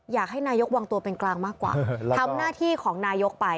อยากให้นายกวางตัวเป็นกลางมากกว่าทำหน้าที่ของนายกไป